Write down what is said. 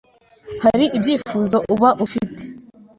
hari ibyifuzo uba ufite